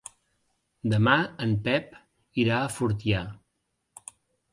Demà en Pep irà a Fortià.